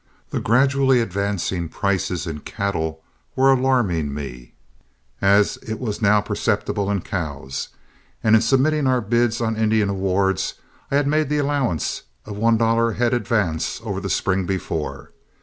The gradually advancing prices in cattle were alarming me, as it was now perceptible in cows, and in submitting our bids on Indian awards I had made the allowance of one dollar a head advance over the spring before.